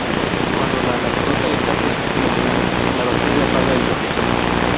Cuando la lactosa está presente en el medio, la bacteria apaga el represor.